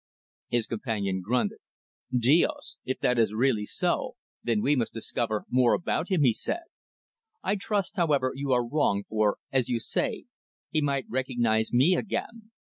His companion grunted. "Dios! If that is really so, then we must discover more about him," he said. "I trust, however, you are wrong, for, as you say, he might recognise me again.